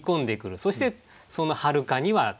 そしてそのはるかには凧が。